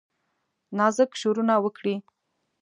نازک شورونه وکړي